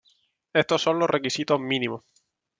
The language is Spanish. Estos son los requisitos "mínimos".